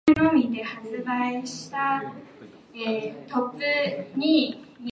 今度のデートは、シルバー人材サポートセンターに行こう。